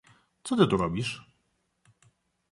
"Co ty tu robisz?"